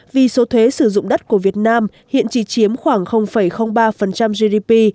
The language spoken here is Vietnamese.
vì số thuế sử dụng đất của việt nam hiện chỉ chiếm khoảng ba gdp